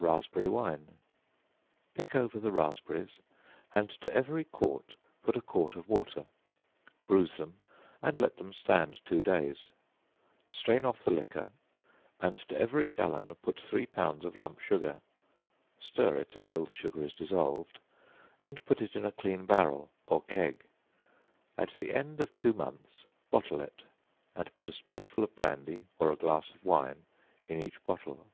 Raspberry Wine. Pick over the raspberries, and to every quart put a quart of water; bruise them, and let them stand two days; strain off the liquor, and to every gallon put three pounds of lump sugar; stir it till the sugar is dissolved, and put it in a clean barrel, or keg; at the end of two months, bottle it, and put a spoonful of brandy, or a glass of wine in each bottle.